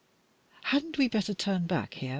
"Hadn't we better turn back, hear?"